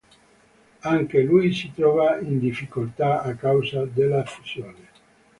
Anche Louis si trova in difficoltà a causa della fusione.